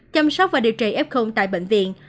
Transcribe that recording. chăm sóc và điều trị f tại bệnh viện